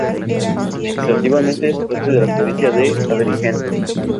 Administrativamente es parte de la provincia de Agrigento.